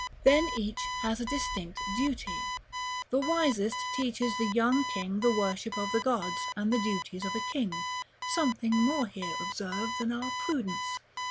Then each has a distinct duty: "The Wisest teaches the young king the worship of the gods, and the duties of a king (something more here, observe, than our 'Prudence!')